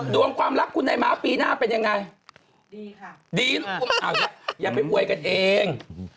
ดวงความรักคุณให้มาปีหน้าเป็นยังไงดีค่ะดีอ้าวยังไม่บ่วยกันเอง